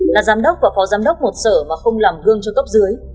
là giám đốc và phó giám đốc một sở mà không làm gương cho cấp dưới